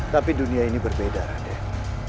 tapi dunia ini berbeda raden